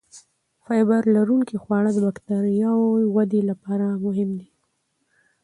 فایبر لرونکي خواړه د بکتریاوو ودې لپاره مهم دي.